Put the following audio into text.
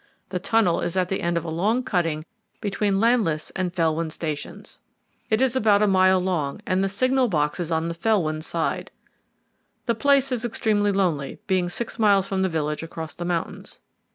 The tunnel is at the end of a long cutting between Llanlys and Felwyn stations. It is about a mile long, and the signal box is on the Felwyn side. The place is extremely lonely, being six miles from the village across the mountains.